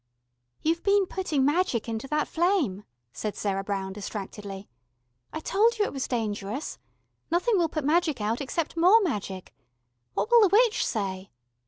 "You've been putting magic into that flame," said Sarah Brown distractedly. "I told you it was dangerous. Nothing will put magic out, except more magic. What will the witch say?"